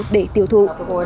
để tiêu thụ